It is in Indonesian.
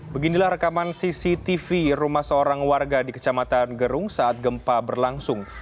beginilah rekaman cctv rumah seorang warga di kecamatan gerung saat gempa berlangsung